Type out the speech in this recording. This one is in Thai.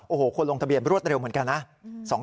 โอ้โหคนลงทะเบียนรวดเร็วเหมือนกันนะ